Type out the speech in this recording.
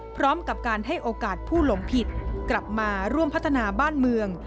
พร้อมกับการให้โอกาสผู้หลงผิดกลับมาร่วมพัฒนาบ้านเมือง